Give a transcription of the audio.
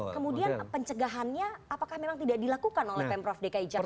kemudian pencegahannya apakah memang tidak dilakukan oleh pemprov dki jakarta